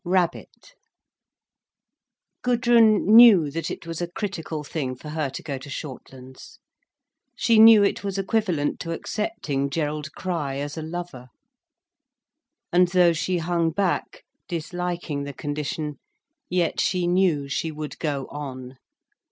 RABBIT Gudrun knew that it was a critical thing for her to go to Shortlands. She knew it was equivalent to accepting Gerald Crich as a lover. And though she hung back, disliking the condition, yet she knew she would go on.